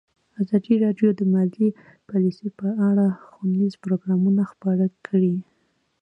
ازادي راډیو د مالي پالیسي په اړه ښوونیز پروګرامونه خپاره کړي.